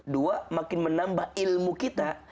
dua makin menambah ilmu kita